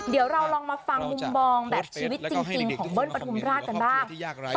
เดี๋ยวเราลองมาฟังมุมมองแบบชีวิตจริงของเบิ้ลปฐุมราชกันบ้าง